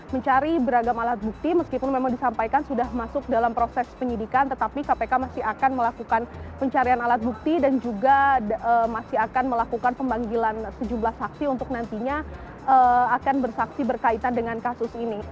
mereka sudah masuk dalam proses penyidikan tetapi kpk masih akan melakukan pencarian alat bukti dan juga masih akan melakukan pemanggilan sejumlah saksi untuk nantinya akan bersaksi berkaitan dengan kasus ini